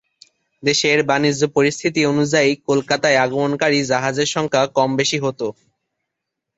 দেশের বাণিজ্য পরিস্থিতি অনুযায়ী কলকাতায় আগমনকারী জাহাজের সংখ্যা কমবেশি হতো।